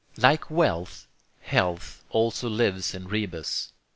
Like wealth, health also lives in rebus.